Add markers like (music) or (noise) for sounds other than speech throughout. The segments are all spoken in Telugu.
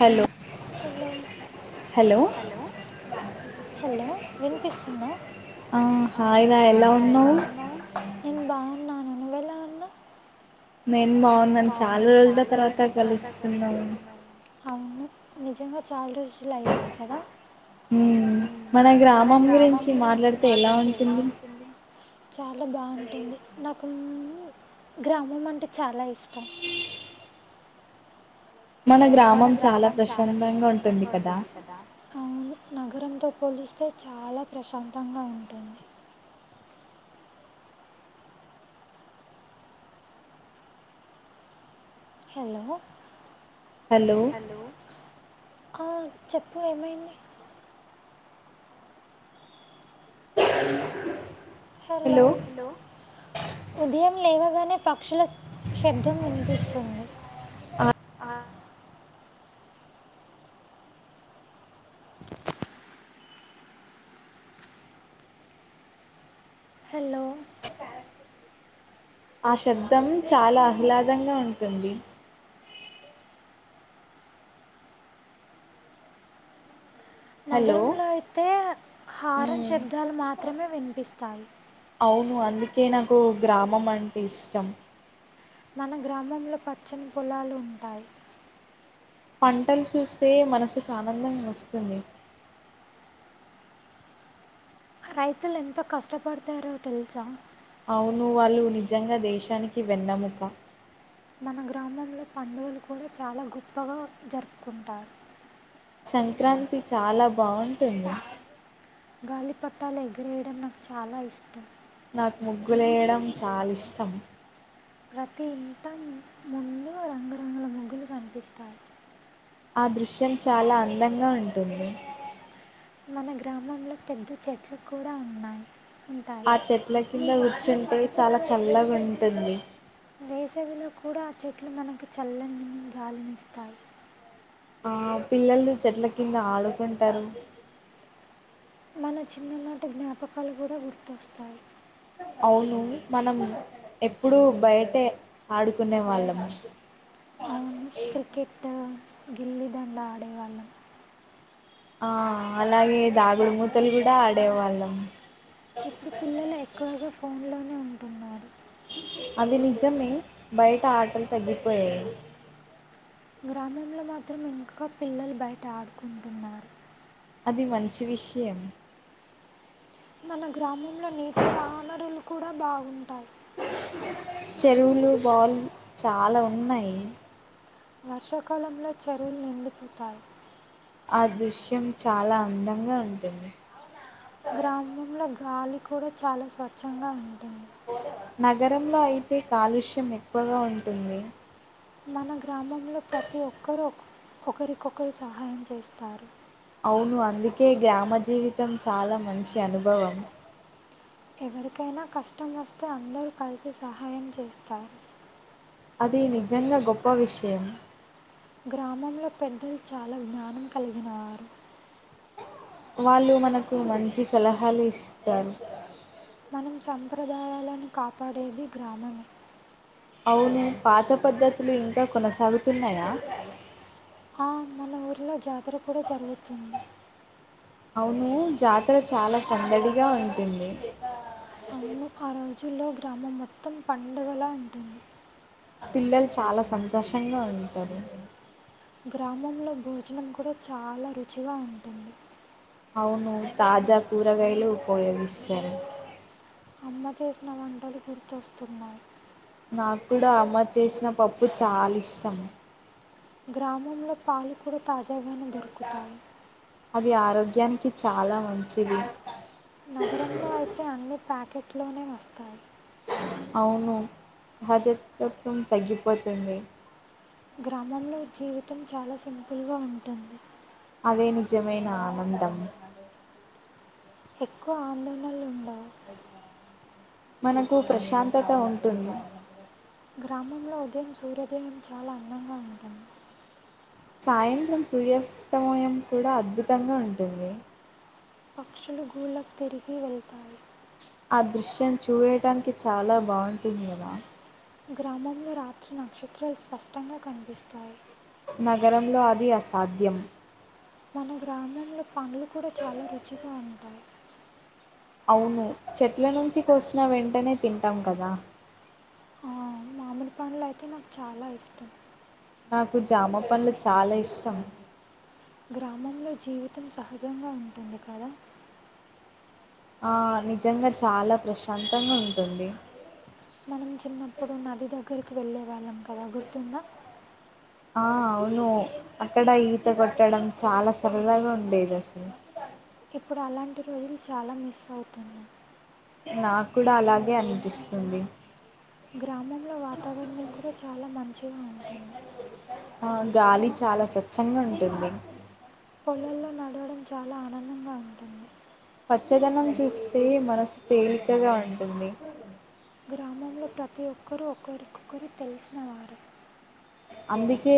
హలో హలో హలో హలో వినిపిస్తుందా ఆ హాయ్ రా ఎలా ఉన్నావ్? నేను బాగున్నా నువ్వు ఎలా ఉన్నావ్ నేను బాగున్నాను చాలా రోజుల తర్వాత కలుస్తున్నాం అవును నిజంగా చాలా రోజులు అయ్యాయి కదా ఉ మన గ్రామం గురించి మాట్లాడితే ఎలా ఉంటుంది చాలా బాగుంటుంది నాకు నువు గ్రామం అంటే చాలా ఇష్టం మన గ్రామం చాలా ప్రశాంతంగా ఉంటుంది కదా అవును నగరంతో పోలిస్తే చాలా ప్రశాంతంగా ఉంటుంది హలో హలో ఆ చెప్పు ఏమైంది హలో హలో ఉదయం లేవగా పక్షుల శబ్దం వినిపిస్తుంది (inaudible) హలో ఆ శబ్దం చాలా ఆహ్లాదంగా ఉంటుంది హలో నగరంలో అయితే ఉమ్ హారాన్ శబ్దాలు మాత్రమే వినిపిస్తాయి అవును అందుకే నాకు గ్రామం అంటే ఇష్టం మన గ్రామంలో పచ్చని పొలాలు ఉంటాయి పంటలు చూస్తే మనసుకు ఆనందం వస్తుంది రైతులు ఎంత కష్టపడతారో తెలుసా అవును వాళ్ళు నిజంగా దేశానికి వెన్నముక మన గ్రామంలో పండుగలు కూడా చాలా గొప్పగా జరుపుకుంటారు సంక్రాంతి చాలా బాగుంటుంది గాలి పటాలు ఎగిరేయడం నాకు చాలా ఇష్టం నాకు ముగ్గులేయడం చాలా ఇష్టం ప్రతి ఇంట ముందు రంగురంగుల ముగ్గులు కనిపిస్తాయి ఆ దృశ్యం చాలా అందంగా ఉంటుంది మన గ్రామంలో పెద్ద చెట్లు కూడా ఉన్నాయి ఉంటాయి ఆ చెట్ల కింద కూర్చుంటే చాలా చల్లగా ఉంటుంది వేసవిలో కూడా ఆ చెట్లు మనకు చల్లని గాలినిస్తాయి ఆ పిల్లలు చెట్ల కింద ఆడుకుంటారు మన చిన్ననాటి జ్ఞాపకాలు కూడా గుర్తొస్తాయి అ (inaudible) అవును మనం ఎప్పుడూ బయటే ఆడుకునే వాళ్ళం అవును క్రికెట్ గిల్లిదండ ఆడేవాళ్ళం ఆ అలాగే దాగుడుమూతలు కూడా ఆడేవాళ్ళం ఇప్పుడు పిల్లలు ఎక్కువగా ఫోన్లో అది నిజమే బయట ఆటలు తగ్గిపోయయి గ్రామంలో మాత్రం ఇంకా పిల్లలు బయట ఆడుకుంటున్నారు అది మంచి విషయం మన గ్రామంలో నీటి వానరులు కూడా బాగుంటాయి చెరువులు బావులు చాలా ఉన్నాయి వర్షాకాలంలో చెరువులు నిండిపోతాయి ఆ దృశ్యం చాలా అందంగా ఉంటుంది గ్రామంలో గాలి కూడా చాలా స్వచ్ఛంగా ఉంటుంది నగరంలో అయితే కాలుష్యం ఎక్కువగా ఉంటుంది మన గ్రామంలో ప్రతి ఒక్కరుూ ఒకరికొకరు సహాయం చేస్తారు అవును అందుకే గ్రామ జీవితం చాలా మంచి అనుభవం ఎవరికైనా కష్టం వస్తే అందరూ కలిసి సహాయం చేస్తారు అది నిజంగా గొప్ప విషయం గ్రామంలో పెద్దలు చాలా జ్ఞానం కలిగినారు వాళ్ళు మనకు మంచి సలహాలు ఇస్తారు మనం సంప్రదాయాలను కాపాడేది గ్రామమే అవును పాత పద్ధతులు ఇంకా కొనసాగుతున్నాయా మన ఊరిలో జాతర కూడా జరుగుతుంది అవును జాతర చాలా సందడిగా ఉంటుంది అవును ఆ రోజుల్లో గ్రామం మొత్తం పండుగలా ఉంటుంది పిల్లలు చాలా సంతోషంగా ఉంటారు గ్రామంలో భోజనం కూడా చాలా రుచిగా ఉంటుంది అవును తాజా కూరగాయలు ఉపయోగిస్తాను అమ్మ చేసిన వంటలు గుర్తొస్తున్నాయి నాకు కూడా అమ్మ చేసిన పప్పు చాలా ఇష్టం గ్రామంలో పాలు కూడా తాజాగానే దొరుకుతాయి అది ఆరోగ్యానికి చాలా మంచిది నగరంలో అయితే అన్ని ప్యాకెట్లోనే వస్తాయి అవును సహజత్వం తగ్గిపోతుంది గ్రామంలో జీవితం చాలా సింపుల్గా ఉంటుంది అదే నిజమైన ఆనందం ఎక్కువ ఆందోళనలు ఉండవు మనకు ప్రశాంతత ఉంటుంది గ్రామంలో ఉదయం సూర్యోదయం చాలా అందంగా ఉంటుంది సాయంత్రం సూర్యాస్తమయం కూడా అద్భుతంగా ఉంటుంది పక్షులు గూళ్ళకు తిరిగి వెళతాయి ఆ దృశ్యం చూడటానికి చాలా బాగుంటుంది కదా గ్రామంలో రాత్రి నక్షత్రాలు స్పష్టంగా కనిపిస్తాయి నగరంలో అది అసాధ్యం మన గ్రామంలో పండ్లు కూడా చాలా రుచిగా ఉంటాయి అవును చెట్ల నుంచి కోసిన వెంటనే తింటాం కదా మామిడి పండ్లు అయితే నాకు చాలా ఇష్టం నాకు జామ పండ్ళలు చాలా ఇష్టం గ్రామంలో జీవితం సహజంగా ఉంటుంది కదా ఆ నిజంగా చాలా ప్రశాంతంగా ఉంటుంది మనం చిన్నప్పుడు నది దగ్గరకు వెళ్ళే వాళ్ళం కదా గుర్తుందా ఆ అవును అక్కడ ఈత కొట్టడం చాలా సరదాగా ఉండేది అసలు ఇప్పుడు అలాంటి రోజులు చాలా మిస్ అవుతున్నాయి నా కూడా అలాగే అనిపిస్తుంది గ్రామంలో వాతావరణం కూడా చాలా మంచిగా ఉంటుంది ఆ గాలి చాలా స్వచ్ఛంగా ఉంటుంది పొలల్లో నడవడం చాలా ఆనందంగా ఉంటుంది పచ్చదనం చూస్తే మనసు తేలికగా ఉంటుంది గ్రామంలో ప్రతి ఒక్కరుూ ఒకరికొకరు తెలిసినవారు అందుకే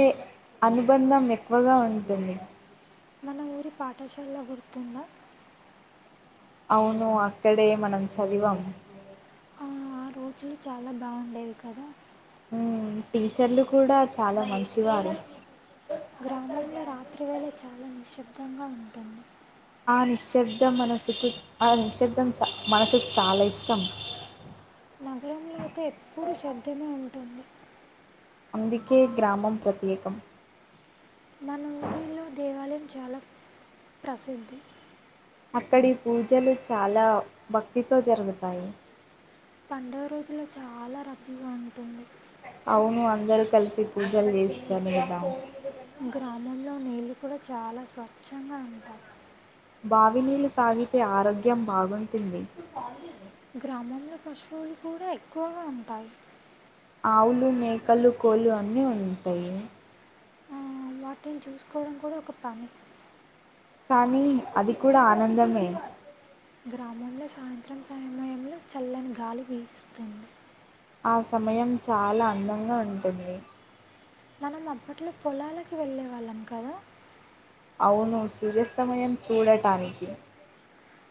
అనుబంధం ఎక్కువగా ఉంటుంది మన ఊరి పాఠశాలలో గుర్తుంద అవును అక్కడే మనం చదివాం ఆ ఆ రోజులు చాలా బాగుండేవి కదా ఉమ్ టీచర్లు కూడా చాలా మంచివారు గ్రామంలో రాత్రి వేళ చాలా నిశ్శబ్దంగా ఉంటుంది ఆ నిశ్శబ్దం మనసుకు ఆ నిశ్శబ్దం చ మనసుకి చాలా ఇష్టం నగరంలో అయితే ఎప్పుడూ శబ్దమే ఉం అందుకే గ్రామం ప్రత్యేకం మన ఊరిలో దేవాలయం చాలా ప్రసిద్ధి అక్కడి పూజలు చాలా భక్తితో జరుగుతాయి పండుగ రోజుల్లో చాలా రద్దీగా ఉంటుంది అవును అందరు కలిసి పూజలు చేస్తాము కదా గ్రామంలో నీళ్ళు కూడా చాలా స్వచ్ఛంగా ఉంటారు బావినీళ్లు తాగితే ఆరోగ్యం బాగుంటుంది గ్రామంలో పశువులు కూడా ఎక్కువగా ఉంటాయి ఆవులు మేకలు కోళ్ళు అన్నీ ఉంటాయి ఉమ్ వాటిని చూసుకోవడం కూడా ఒక పని కానీ అది కూడా ఆనందమే గ్రామంలో సాయంత్రం సమయంలో చల్లని గాలి వీస్తుంది ఆ సమయం చాలా అందంగా ఉంటుంది మనం అప్పట్లో పొలాలకి వెళ్ళే వాళ్ళం కదా అవును సూర్యస్తమయం చూడటానికి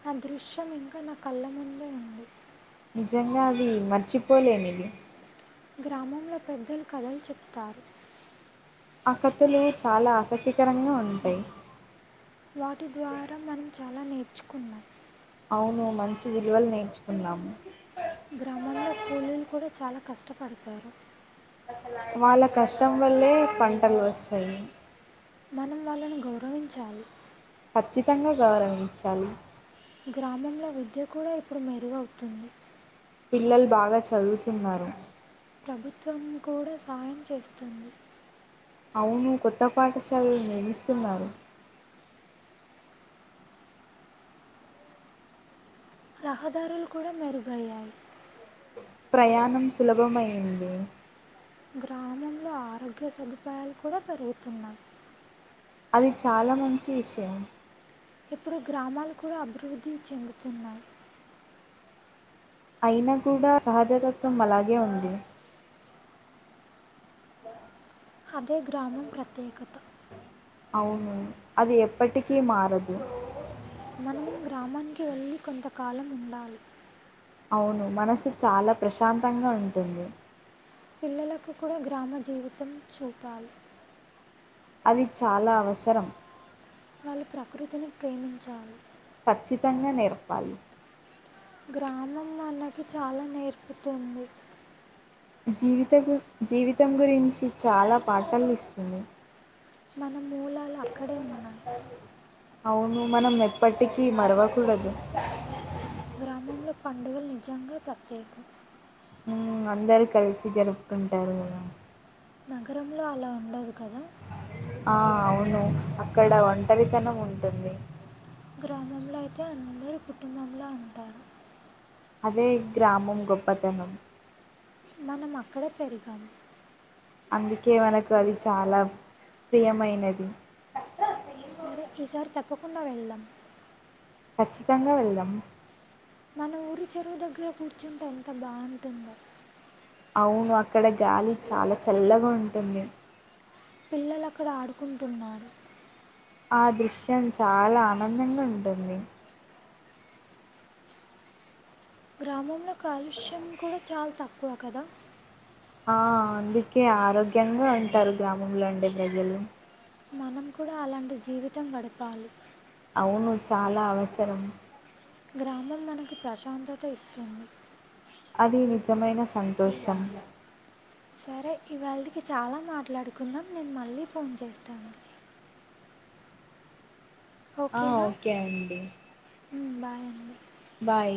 ఆ దృశ్యం ఇంకా నా కళ్ళ ముందే ఉంది నిజంగా అది మర్చిపోలేనిది గ్రామంలో పెద్దలు కథలు చెప్తారు ఆ కథలు చాలా ఆసక్తికరంగా ఉంటాయి వాటి ద్వారా మనం చాలా నేర్చుకున్నాం అవును మంచి విలువలు నేర్చుకున్నాము గ్రామంలో కూలీలు కూడా చాలా కష్టపడతారు వాళ్ళ కష్టం వల్లే పంటలు వస్తాయి మనం వాళ్ళని గౌరవించాలి ఖచ్చితంగా గౌరవించాలి గ్రామంలో విద్య కూడా ఇప్పుడు మెరుగవుతుంది పిల్లలు బాగా చదువుతున్నారు ప్రభుత్వం కూడా సాయం చేస్తుంది అవును కొత్త పాఠశాలలు నిర్మిస్తున్నారు రహదారులు కూడా మెరుగయ్యాయి ప్రయాణం సులభమైంది గ్రామంలో ఆరోగ్య సదుపాయాలు కూడా పెరుగుతున్నాయి అది చాలా మంచి విషయం ఇప్పుడు గ్రామాలు కూడా అభివృద్ధి చెందుతున్నాయి అయినా కూడా సహజతత్వం అలాగే ఉంది అదే గ్రామం ప్రత్యేకత అవును అది ఎప్పటికీ మారదు మనం గ్రామానికి వెళ్ళి కొంతకాలం ఉండాలి అవును మనసు చాలా ప్రశాంతంగా ఉంటుంది పిల్లలకు కూడా గ్రామ జీవితం చూపాలి అది చాలా అవసరం వాళ్ళు ప్రకృతిని ప్రేమించాలి ఖచ్చితంగా నేర్పాలి గ్రామం మనకి చాలా నేర్పుతుంది జీవిత గు జీవితం గురించి చాలా పాటాలు ఇస్తుంది మన మూలాలు ఇ అక్కడే ఉన్నాయి హాస్పిటల్ అవును మనం ఎప్పటికీ మరవకూడదు గ్రామంలో పండుగలు నిజంగా ప్రత్యేక ఉమ్మ్ అందరు కలిసి జరుపుకుంటారు గద నగరంలో అలా ఉండదు కద ఆ అవును అక్కడ ఒంటరితనం ఉంటుంది. గ్రామంలో అయితే అందరు కుటుంబంలా ఉంటారు. అదే గ్రామం గొప్పతనం మనమక్కడే పెరిగాం. అందుకే మనకు అది చాలా ప్రియమైనది. సరే ఈసారి తప్పకుండా వెళ్దాం. ఖచ్చితంగా వెళ్దాం. మన ఊరి చెరువు దగ్గర కూర్చుంటే ఎంత బాగుంటుందో అవును అక్కడ గాలి చాలా చల్లగుంటుంది. పిల్లలక్కడ ఆడుకుంటున్నారు. ఆ దృశ్యం చాలా ఆనందంగుంటుంది. గ్రామంలో కాలుష్యం కూడా చాల్ తక్కువ కదా ఆ అందుకే ఆరోగ్యంగా ఉంటారు గ్రామంలో ఉండే ప్రజలు మనం కూడా అలాంటి జీవితం గడపాలి. అవును చాలా అవసరం. గ్రామం మనకి ప్రశాంతత ఇస్తుంది. అది నిజమైన సంతోషం. సరే ఇవాల్టికీ చాలా మాట్లాడుకున్నాం నేను మళ్ళీ ఫోన్ చేస్తాను. ఆ ఓకే అండి. మ్మ్ బాయ్ అండి. బాయ్